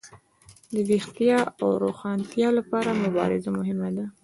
د ویښتیا او روښانتیا لپاره مبارزه مهمه وه.